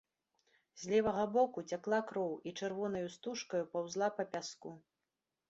З левага боку цякла кроў і чырвонаю стужкаю паўзла па пяску.